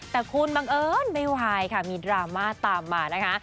แต่คุณบังเอิญไม่ไหวค่ะมีดราม่าตามมานะคะ